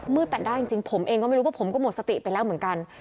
แปดได้จริงผมเองก็ไม่รู้ว่าผมก็หมดสติไปแล้วเหมือนกัน